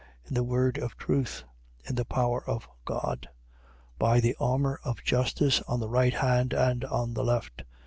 In the word of truth, in the power of God: by the armour of justice on the right hand and on the left: 6:8.